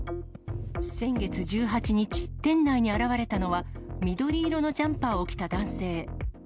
先月１８日、店内に現れたのは、緑色のジャンパーを着た男性。